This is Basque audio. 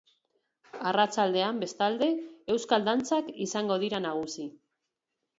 Arratsaldean, bestalde, euskal dantzak izango dira nagusi.